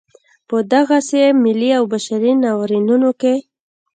په دغسې ملي او بشري ناورینونو کې.